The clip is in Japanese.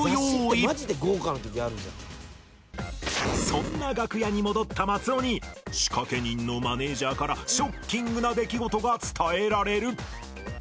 そんな楽屋に戻った松尾に仕掛け人のマネージャーからショッキングな出来事が伝えられる